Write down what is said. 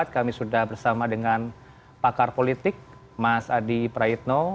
kami sudah bersama dengan pakar politik mas adi praitno